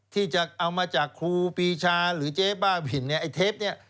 ที่จะเอามาจากครูปีชาหรือเจ๊บ้าบินเนี่ยไอ้เทปเนี่ย